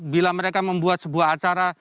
bila mereka membuat sebuah acara